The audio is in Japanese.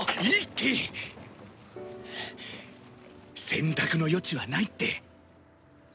選択の余地はないって。